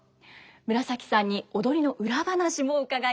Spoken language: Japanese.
紫さんに踊りの裏話も伺います。